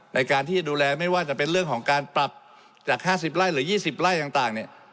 ในการที่จะดูแลไม่ว่าจะเป็นเรื่องของการปรับจาก๕๐ไร่หรือ๒๐ไร่ต่างเนี่ย